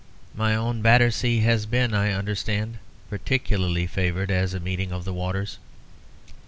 My own Battersea has been, I understand, particularly favoured as a meeting of the waters.